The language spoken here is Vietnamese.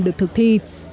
được thực thi